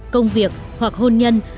công việc hoặc hôn nhân